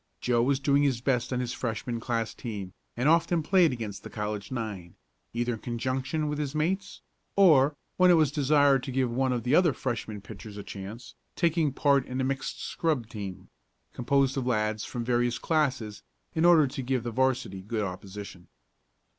Joe was doing his best on his Freshman class team, and often played against the college nine, either in conjunction with his mates, or, when it was desired to give one of the other Freshmen pitchers a chance, taking part with a mixed "scrub" team, composed of lads from various classes in order to give the 'varsity good opposition.